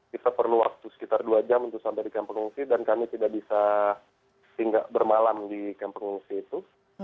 kita perlu waktu sekitar dua jam untuk sampai di kamp pengungsi dan kami tidak bisa hingga bermalam di kamp pengungsi itu